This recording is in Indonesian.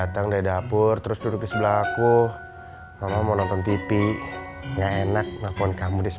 telepon siapa kamu